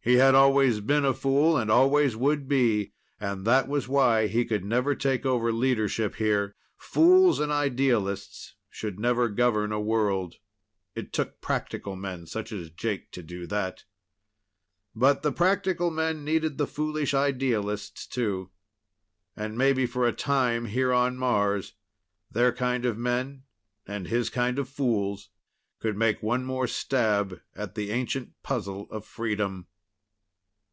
He had always been a fool, and always would be. And that was why he could never take over leadership here. Fools and idealists should never govern a world. It took practical men such as Jake to do that. But the practical men needed the foolish idealists, too. And maybe for a time here on Mars their kind of men and his kind of fools could make one more stab at the ancient puzzle of freedom.